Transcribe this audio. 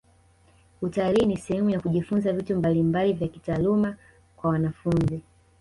utalii ni sehemu ya kujifunza vitu mbalimbali vya kitaaluma kwa wanafunzi